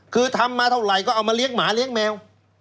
คือทำมาเท่าไหร่ก็เอามาเลี้ยงหมาเลี้ยงแมว